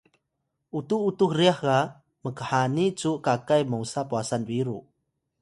Yukan: utux utux ryax ga mkhani cu kakay mosa pwasan biru